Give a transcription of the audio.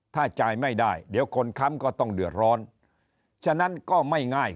ถ้าจ่ายไม่ได้เดี๋ยวคนค้ำก็ต้องเดือดร้อนฉะนั้นก็ไม่ง่าย